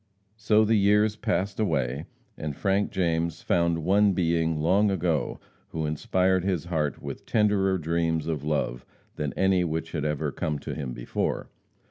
So the years passed away, and Frank James found one being long ago who inspired his heart with tenderer dreams of love than any which had ever come to him before.